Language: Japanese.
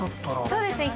そうですね。